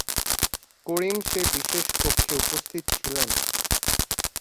করিম সেই বিশেষ কক্ষে উপস্থিত ছিলেন।